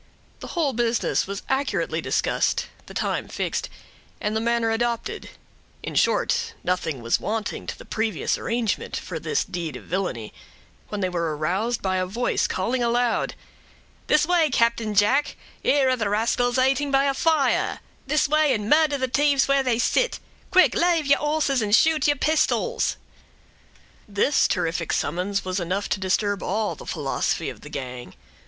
The whole business was accurately discussed, the time fixed, and the manner adopted; in short, nothing was wanting to the previous arrangement for this deed of villainy, when they were aroused by a voice calling aloud,— "This way, Captain Jack—here are the rascals 'ating by a fire—this way, and murder the t'ieves where they sit—quick, l'ave your horses and shoot your pistols!" This terrific summons was enough to disturb all the philosophy of the gang.